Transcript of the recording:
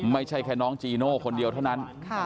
ไม่ใช่แค่น้องจีโน่คนเดียวเท่านั้น